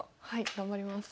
頑張ります。